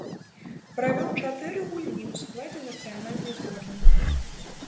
Правёў чатыры гульні ў складзе нацыянальнай зборнай.